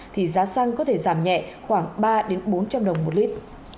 thì giá xăng có thể giảm nhẹ khoảng ba bốn trăm linh đồng một lít